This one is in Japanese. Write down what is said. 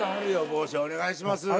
帽子お願いします。